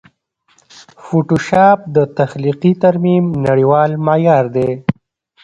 فوټوشاپ د تخلیقي ترمیم نړېوال معیار دی.